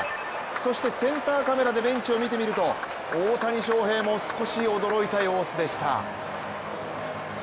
そしてセンターカメラでベンチを見てみると大谷翔平も少し驚いた様子でした。